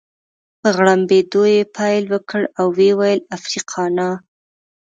په غړمبېدو يې پیل وکړ او ويې ویل: افریقانا.